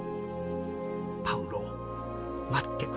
『パウロ待ってくれ！